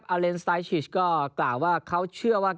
ถ้าวันไหนที่เรารู้สึกว่าเราเล่นเพื่อชาติ